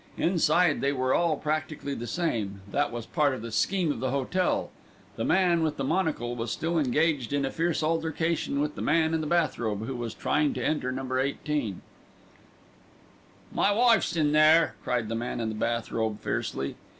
Inside they were all practically the same, that was part of the scheme of the hotel. The man with the monocle was still engaged in a fierce altercation with the man in the bath robe, who was trying to enter No. 18. "My wife's in there," cried the man in the bath robe fiercely.